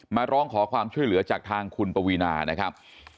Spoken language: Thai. มาร้องขอความช่วยเหลือจากทางคุณปวีนานะครับ